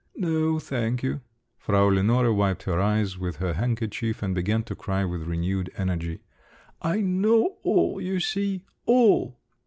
"No, thank you." Frau Lenore wiped her eyes with her handkerchief and began to cry with renewed energy. "I know all, you see! All!"